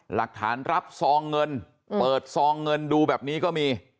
หลักฐานรับซองเงินเปิดซองเงินดูแบบนี้ก็มี